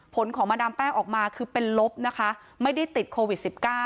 ผลของมาดามแป้งออกมาคือเป็นลบนะคะไม่ได้ติดโควิด๑๙